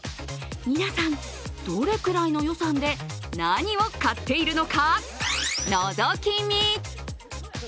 皆さん、どれくらいの予算で何を買っているのか、のぞき見。